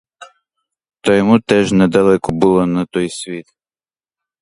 Та йому теж недалеко було на той світ.